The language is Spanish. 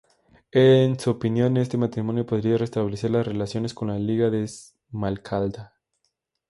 En su opinión, este matrimonio podría restablecer las relaciones con la Liga de Esmalcalda.